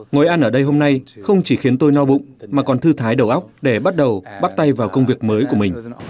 ngồi ăn ở đây hôm nay không chỉ khiến tôi no bụng mà còn thư thái đầu óc để bắt đầu bắt tay vào công việc mới của mình